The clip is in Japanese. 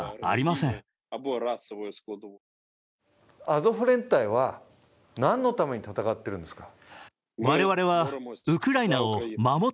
アゾフ連隊は何のために戦っているんですか。